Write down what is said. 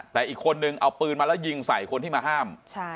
แต่อีกคนนึงเอาปืนมาแล้วยิงใส่คนที่มาห้าม